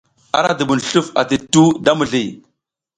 Ara dubun sluf ati tuhu da mizliy.